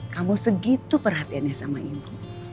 kamu segitu perhatiannya sama ibu